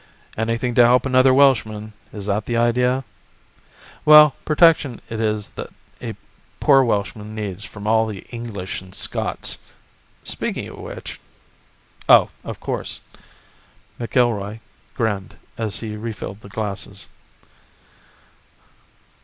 "Anything to help another Welshman, is that the idea?" "Well, protection it is that a poor Welshman needs from all the English and Scots. Speaking of which " "Oh, of course," McIlroy grinned as he refilled the glasses.